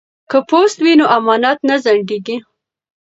که پوست وي نو امانت نه ځنډیږي.